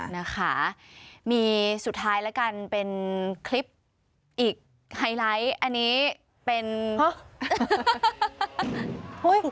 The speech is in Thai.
นะคะมีสุดท้ายแล้วกันเป็นคลิปอีกไฮไลท์อันนี้เป็น